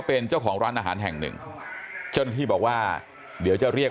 เป็นเจ้าของร้านอาหารแห่งหนึ่งเจ้าหน้าที่บอกว่าเดี๋ยวจะเรียก